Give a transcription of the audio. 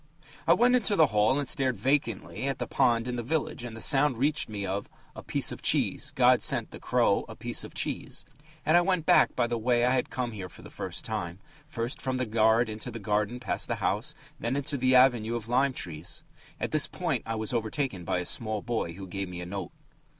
I went into the hall and stared vacantly at the pond and the village, and the sound reached me of "A piece of cheese ... God sent the crow a piece of cheese." And I went back by the way I had come here for the first time first from the yard into the garden past the house, then into the avenue of lime trees.... At this point I was overtaken by a small boy who gave me a note.